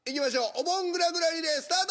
お盆ぐらぐらリレースタート！